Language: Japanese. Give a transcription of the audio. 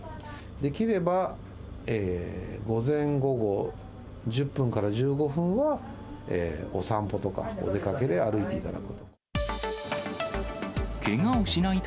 できれば午前、午後、１０分から１５分は、お散歩とかお出かけで歩いていただく。